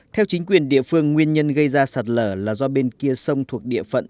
theo chính quyền địa phương nguyên nhân gây ra sạt lở là do bên kia sông thuộc địa phận